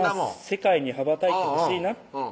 世界に羽ばたいてほしいなって